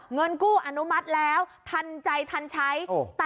เงินกู้อนุมัติแล้วทันใจทันใช้